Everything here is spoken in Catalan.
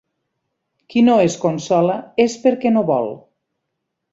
Qui no es consola és perquè no vol.